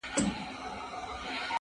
ستا د میني زولنو کي زولانه سوم,